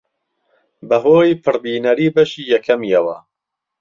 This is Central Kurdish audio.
بەهۆی پڕبینەری بەشی یەکەمیەوە